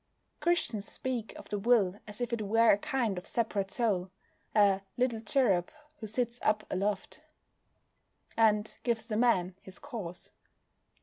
Christians speak of the will as if it were a kind of separate soul, a "little cherub who sits up aloft" and gives the man his course.